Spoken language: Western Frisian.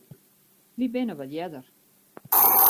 Wy binne wat earder.